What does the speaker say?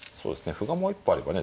歩がもう一歩あればね